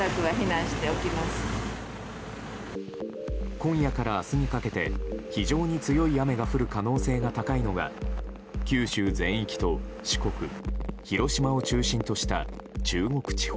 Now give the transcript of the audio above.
今夜から明日にかけて非常に強い雨が降る可能性が高いのが九州全域と四国広島を中心とした中国地方。